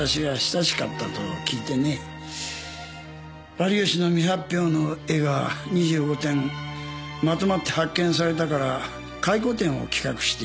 有吉の未発表の絵が２５点まとまって発見されたから回顧展を企画している。